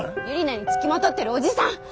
ユリナに付きまとってるおじさん。